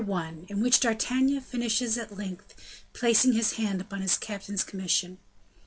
In which D'Artagnan finishes by at Length placing his Hand upon his Captain's Commission.